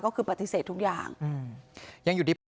ก็คือปฏิเสธทุกอย่าง